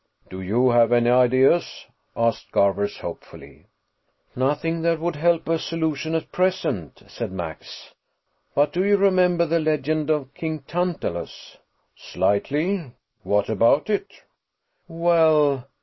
"Do you have any ideas?" asked Garvers hopefully. "Nothing that would help a solution at present," said Max. "But do you remember the legend of King Tantalus?" "Slightly. What about it?" "Well